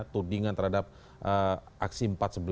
tudingan terhadap aksi empat ratus sebelas